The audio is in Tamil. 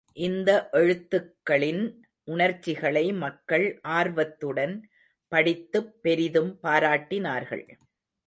இந்த எழுத்துக்களின் உணர்ச்சிகளை மக்கள் ஆர்வத்துடன் படித்துப் பெரிதும் பாராட்டினார்கள்.